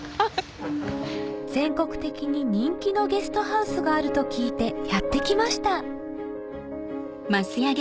全国的に人気のゲストハウスがあると聞いてやって来ました